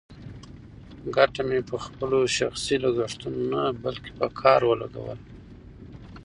ګټه مې په خپلو شخصي لګښتونو نه، بلکې په کار ولګوله.